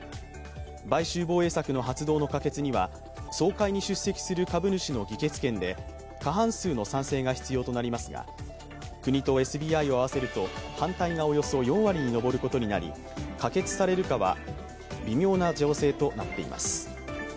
買収防衛策の発動の可決には総会に出席する株主の議決権で過半数の賛成が必要となりますが国とＳＢＩを合わせると反対がおよそ４割に上ることになり、可決されるかは微妙な情勢となっています。